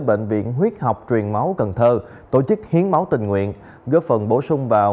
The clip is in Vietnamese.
bệnh viện huyết học truyền máu cần thơ tổ chức hiến máu tình nguyện góp phần bổ sung vào